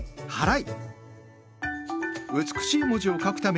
はい。